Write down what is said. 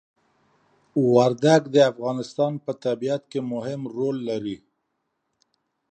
وردګ د افغانستان په طبيعت کي مهم ړول لري